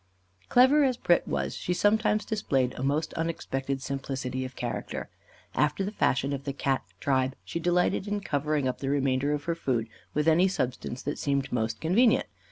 Clever as Pret was, she sometimes displayed a most unexpected simplicity of character. After the fashion of the Cat tribe, she delighted in covering up the remainder of her food with any substance that seemed most convenient.